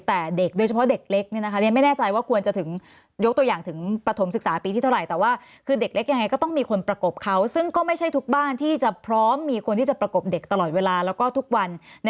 แต่เด็กโดยเฉพาะเด็กเล็กนี่นะคะ